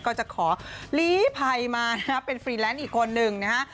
ก็จะขอลีภัยมานะฮะเป็นฟรีแลนซ์อีกคนหนึ่งนะฮะ